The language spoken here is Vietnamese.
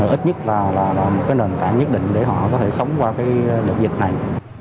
ít nhất là một nền tảng nhất định để họ có thể sống qua dịch này